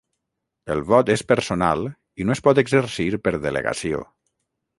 El vot és personal i no es pot exercir per delegació.